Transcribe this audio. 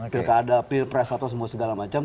pilkada pilpres atau semua segala macam